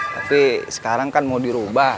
tapi sekarang kan mau dirubah